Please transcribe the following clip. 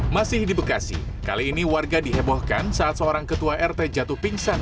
masih di bekasi kali ini warga dihebohkan saat seorang ketua rt jatuh pingsan